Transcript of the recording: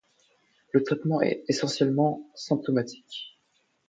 Le traitement est essentiellement symptomatique.